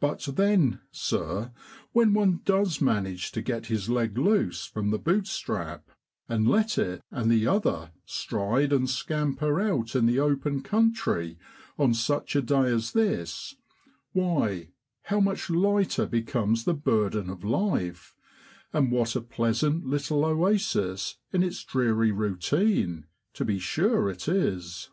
But then, sir, when one does manage to get his leg loose from the boot strap, and let it and the other stride and scamper out in the open country on such a day as this, why, how much lighter becomes the burden of life, and what a pleasant little oasis in its dreary routine, to be sure it is